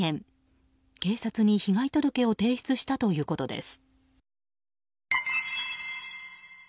警察に被害届を提出したということです。